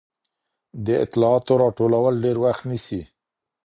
د اطلاعاتو راټولول ډېر وخت نیسي.